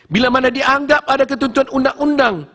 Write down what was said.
bila mana dianggap ada ketentuan undang undang